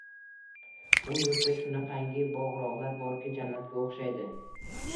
U yurtda shunaqangi bog‘-rog‘lar borki, jannatga o‘xshaydi.